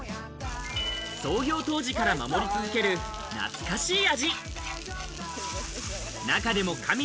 創業当時から守り続ける懐かしい味。